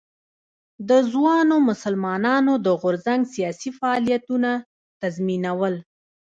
د ځوانو مسلمانانو د غورځنګ سیاسي فعالیتونه تنظیمول.